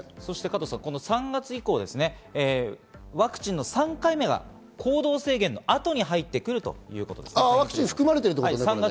そして３月以降、ワクチンの３回目が行動制限の後に入ってくるということです。